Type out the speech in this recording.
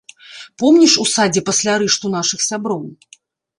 Помніш у садзе пасля арышту нашых сяброў?